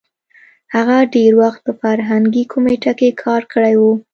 هغه ډېر وخت په فرهنګي کمېټه کې کار کړی وو.